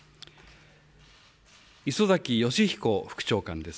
磯崎仁彦副長官です。